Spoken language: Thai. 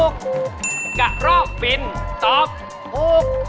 กระเล่าฟันตอบโข